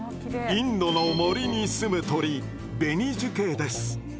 インドの森にすむ鳥ベニジュケイです。